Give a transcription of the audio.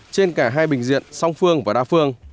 trên cả hai bình diện song phương và đa phương